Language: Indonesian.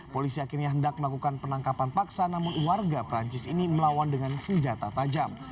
polisi akhirnya hendak melakukan penangkapan paksa namun warga perancis ini melawan dengan senjata tajam